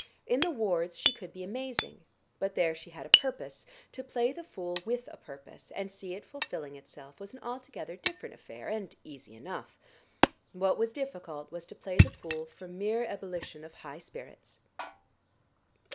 In the wards she could be amazing, but there she had a purpose: to play the fool with a purpose and see it fulfilling itself was an altogether different affair and was easy enough. What was difficult was to play the fool from mere ebullition of high spirits.